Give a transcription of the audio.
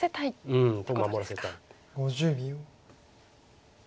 うん守らせたい。